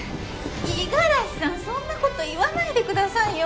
いがらしさんそんな事言わないでくださいよ。